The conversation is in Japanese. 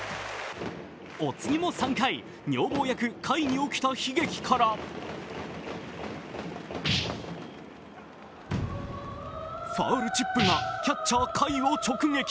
お次も、３回、女房役・甲斐に起きた悲劇からファウルチップがキャッチャー・甲斐を直撃。